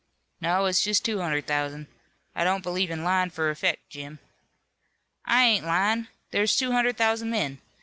"No, it's just two hundred thousand. I don't believe in lyin' fur effect, Jim." "I ain't lyin'. There's two hundred thousand men.